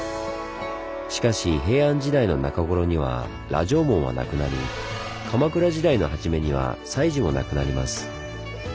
しかし平安時代の中頃には羅城門はなくなり鎌倉時代の初めには西寺もなくなります。